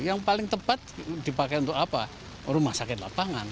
yang paling tepat dipakai untuk apa rumah sakit lapangan